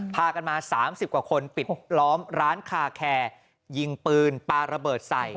พากันมา๓๐กว่าคนปิดล้อมร้านคาแคร์ยิงปืนปลาระเบิดใส่